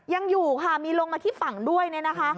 ยังอยู่ค่ะมีลงมาที่ฝั่งด้วยเนี่ยนะคะ